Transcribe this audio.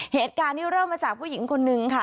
เหตุการณ์นี้เริ่มมาจากผู้หญิงคนนึงค่ะ